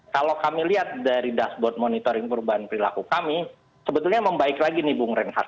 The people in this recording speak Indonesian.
kalau kami lihat dari dashboard monitoring perubahan perilaku kami sebetulnya membaik lagi nih bung renhard